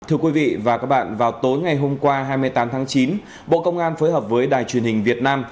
thưa quý vị và các bạn vào tối ngày hôm qua hai mươi tám tháng chín bộ công an phối hợp với đài truyền hình việt nam